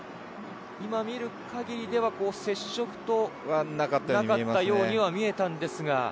今見る限りでは、接触はなかったようには見えたんですが。